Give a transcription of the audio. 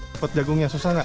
dapat jagungnya susah nggak